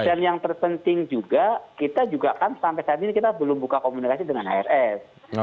dan yang terpenting juga kita juga kan sampai saat ini kita belum buka komunikasi dengan hrs